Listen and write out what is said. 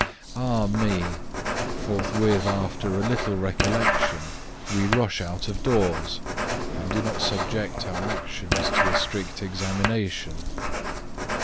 4. Ah, me! Forthwith after a little recollection we rush out of doors, and do not subject our actions to a strict examination.